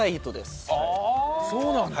そうなんだ！